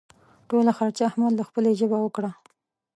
ټوله خرچه احمد له خپلې جېبه وکړه.